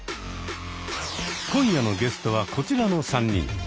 今夜のゲストはこちらの３人。